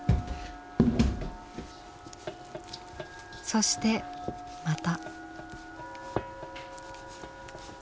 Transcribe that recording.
そしてまた。